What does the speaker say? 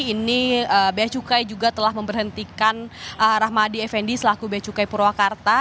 ini beacukai juga telah memperhentikan rahmadi effendi selaku beacukai purwakarta